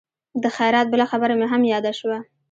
د خیرات بله خبره مې هم یاده شوه.